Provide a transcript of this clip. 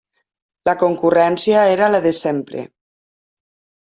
La concurrència era la de sempre.